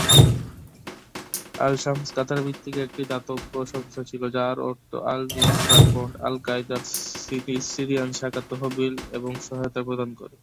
Al-Sham Qatar ভিত্তিক একটি দাতব্য সংস্থা ছিল যার অর্থ আল-নুসরা ফ্রন্ট, আল-কায়েদার সিরিয়ান শাখার তহবিল এবং সহায়তা প্রদান করে।